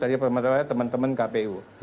dari teman teman kpu